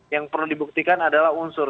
yang perlu dibuktikan adalah unsur